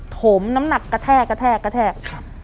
ถมน้ำหนักกระแทกกระแทก